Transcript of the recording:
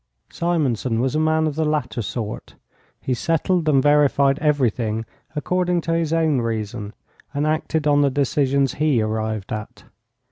Simonson was a man of the latter sort; he settled and verified everything according to his own reason and acted on the decisions he arrived at.